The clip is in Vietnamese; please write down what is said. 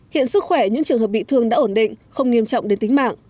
hiện sức khỏe những trường hợp bị thương đã ổn định không nghiêm trọng đến tính mạng